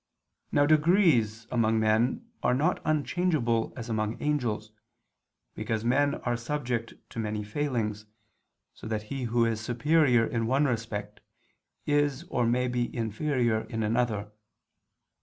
Now degrees among men are not unchangeable as among angels, because men are subject to many failings, so that he who is superior in one respect, is or may be inferior in another.